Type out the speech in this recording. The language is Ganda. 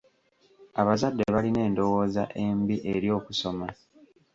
Abazadde balina endowooza embi eri okusoma.